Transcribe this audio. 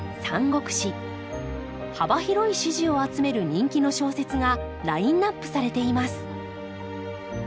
幅広い支持を集める人気の小説がラインナップされています